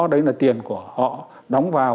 đấy là tiền của họ đóng vào